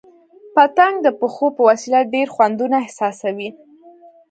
پتنګ د پښو په وسیله ډېر خوندونه احساسوي.